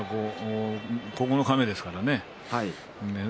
まだ九日目ですからね